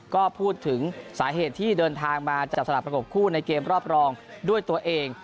ก็พูดถึงสาเหตุที่เดินทางมาจับสลับประกบคู่ในเกมรอบรองด้วยตัวเอง